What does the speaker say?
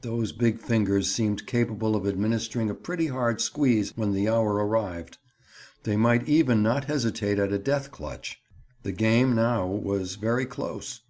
Those big fingers seemed capable of administering a pretty hard squeeze when the hour arrived; they might even not hesitate at a death clutch. The game now was very close.